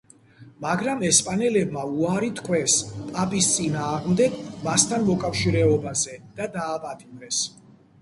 მაგრამ ესპანელებმა უარი თქვეს პაპის წინააღმდეგ მასთან მოკავშირეობაზე და დააპატიმრეს.